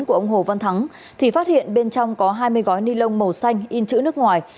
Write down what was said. của ông hồ văn thắng thì phát hiện bên trong có hai mươi gói ni lông màu xanh in chữ nước ngoài